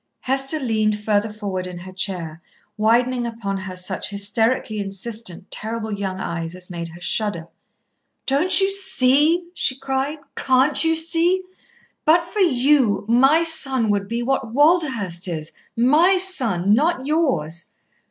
Hester leaned further forward in her chair, widening upon her such hysterically insistent, terrible young eyes as made her shudder. "Don't you see?" she cried. "Can't you see? But for you my son would be what Walderhurst is my son, not yours."